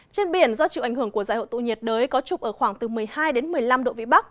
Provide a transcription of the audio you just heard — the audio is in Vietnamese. trên biển do chịu ảnh hưởng của giải hội tụ nhiệt đới có trục ở khoảng từ một mươi hai một mươi năm độ vĩ bắc